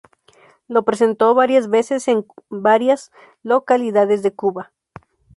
Lo presentó varias veces en varias localidades de Cuba.